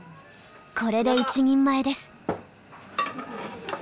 これで１人前です。